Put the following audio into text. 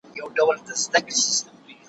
نه یوازي به دي دا احسان منمه